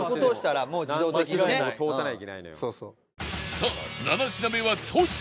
さあ７品目はトシ